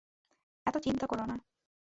এতো চিন্তা কোরো না।